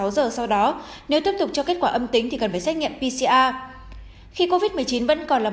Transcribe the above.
sáu giờ sau đó nếu tiếp tục cho kết quả âm tính thì cần phải xét nghiệm pcr khi covid một mươi chín vẫn còn là